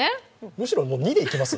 むしろ２でいきます？